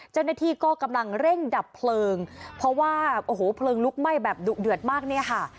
เจ้าหน้าที่ก็กำลังเร่งดับเพลิงเพราะว่าโอ้โหเพลิงลุกไหม้แบบดุเดือดมากเนี่ยค่ะ